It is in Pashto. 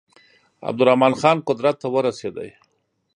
عبدالرحمن خان قدرت ته ورسېدی.